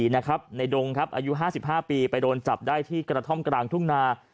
ในดงครับอายุ๕๕ปีไปโดนจับได้ที่กระท่อมกลางทุ่งนา